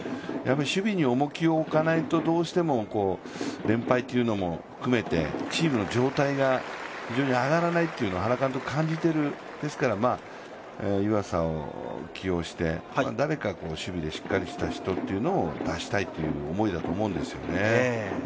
守備に重きを置かないとどうしても連敗というのも含めてチームの状態が非常に上がらないというのは原監督は感じている、ですから湯浅を起用して誰か守備でしっかりした人を出したいという思いだと思うんですよね。